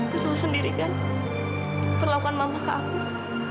tentu sendiri kan perlakuan mama ke aku